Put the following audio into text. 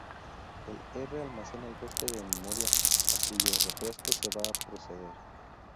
El R almacena el bloque de memoria a cuyo refresco se va a proceder.